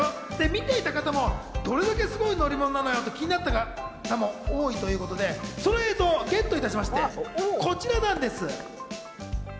見ていた方もどれだけすごい乗り物なのよと気になった方も多いということで、その映像をゲットいたしまして、こちらなんです。